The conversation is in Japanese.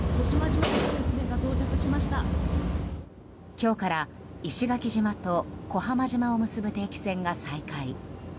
今日から、石垣島と小浜島を結ぶ定期船が再開。